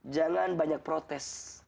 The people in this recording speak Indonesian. jangan banyak protes